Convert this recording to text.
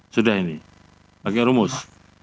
sudah ini pakai rumus